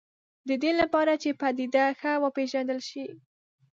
د دې لپاره چې پدیده ښه وپېژندل شي.